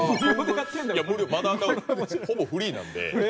ほぼフリーなんで。